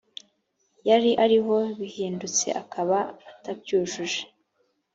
yari ariho bihindutse akaba atabyujuje